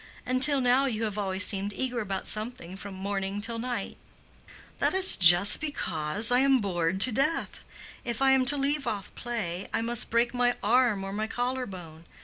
"Until now you have always seemed eager about something from morning till night." "That is just because I am bored to death. If I am to leave off play I must break my arm or my collar bone.